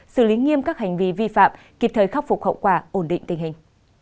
xử lý nghiêm các hành vi vi phạm kịp thời khắc phục hậu quả ổn định tình hình